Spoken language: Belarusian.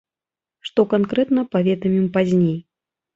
Што канкрэтна, паведамім пазней.